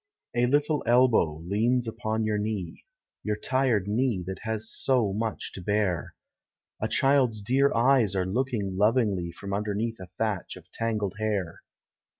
A little elbow leans upon your knee, Your tired knee that has so much to bear; A child's dear eyes are looking lovingly From underneath a thatch of tangled hair.